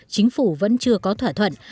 chính phủ vẫn chưa có thỏa thuận